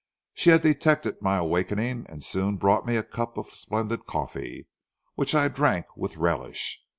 She had detected my awakening, and soon brought me a cup of splendid coffee, which I drank with relish.